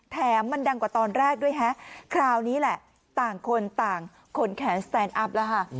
แถมมันดังกว่าตอนแรกด้วยฮะคราวนี้แหละต่างคนต่างขนแขนสแตนอัพแล้วค่ะ